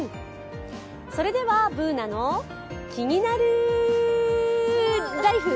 それでは「ＢｏｏｎａのキニナルＬＩＦＥ」！